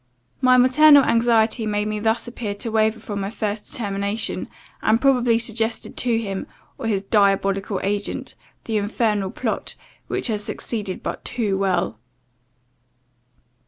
My maternal anxiety made me thus appear to waver from my first determination, and probably suggested to him, or his diabolical agent, the infernal plot, which has succeeded but too well.